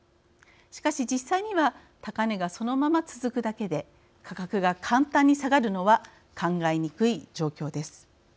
しかし、実際には高値がそのまま続くだけで価格が簡単に下がるのは考えにくい状況です。